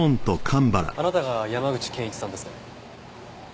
あなたが山口健一さんですね？